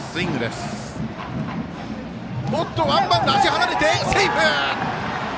ワンバウンド、足が離れてセーフ！